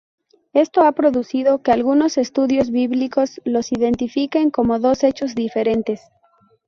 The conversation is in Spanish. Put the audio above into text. Esto ha producido que algunos estudios bíblicos los identifiquen como dos hechos diferentes.